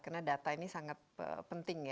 karena data ini sangat penting ya